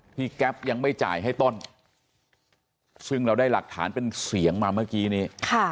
แก๊ปยังไม่จ่ายให้ต้นซึ่งเราได้หลักฐานเป็นเสียงมาเมื่อกี้นี้